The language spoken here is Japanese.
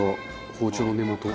包丁の根元。